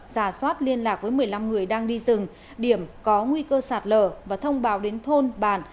giả soát liên lạc với một mươi năm người đang đi rừng điểm có nguy cơ sạt lở và thông báo đến thôn bản